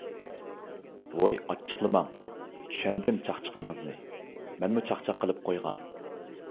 ۋوي ئاچچىقلىماڭ. چۈشەندىم چاقچىقىڭىزنى، مەنمۇ چاقچاق قىلىپ قويغان.